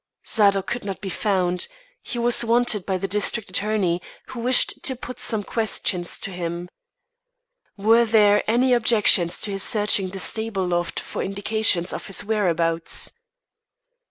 Zadok could not be found; he was wanted by the district attorney, who wished to put some questions to him. Were there any objections to his searching the stable loft for indications of his whereabouts?